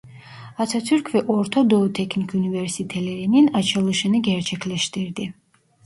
Atatürk ve Orta Doğu Teknik üniversitelerinin açılışını gerçekleştirdi.